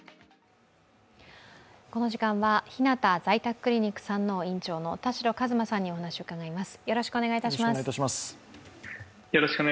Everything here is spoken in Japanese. この時間はひなた在宅クリニック山王院長の田代和馬さんにお話を伺います。